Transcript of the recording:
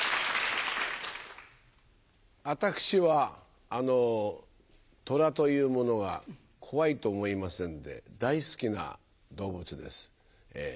私はトラというものが怖いと思いませんで大好きな動物です。